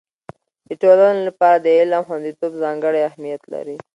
د ټولنې لپاره د علم خوندیتوب ځانګړی اهميت لري.